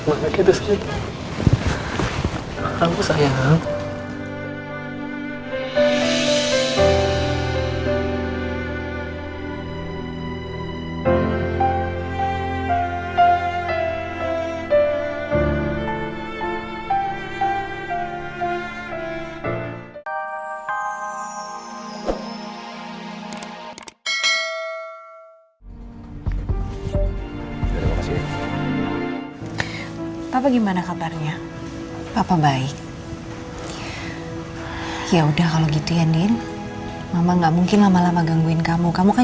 akhirnya kita menemukan dia man